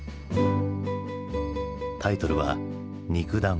タイトルは「肉弾」。